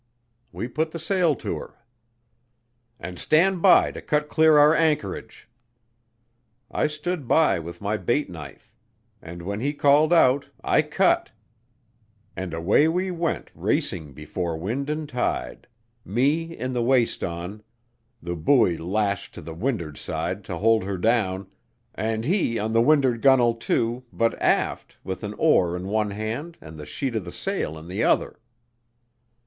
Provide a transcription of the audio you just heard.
We put the sail to her. "And stand by to cut clear our anchorage!" I stood by with my bait knife; and when he called out, I cut, and away we went racing before wind and tide; me in the waist on, the buoy lashed to the wind'ard side, to hold her down, and he on the wind'ard gunnel, too, but aft, with an oar in one hand and the sheet of the sail in the other.